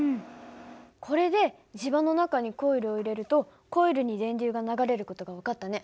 これで磁場の中にコイルを入れるとコイルに電流が流れる事が分かったね。